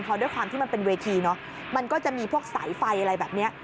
เพราะด้วยความที่มันเป็นเวทีเนอะมันก็จะมีพวกสายไฟอะไรแบบนี้